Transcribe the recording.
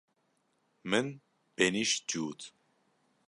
Min benîşt cût.